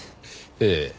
ええ。